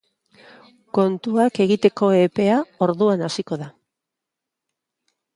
Kontuak egiteko epea orduan hasiko da.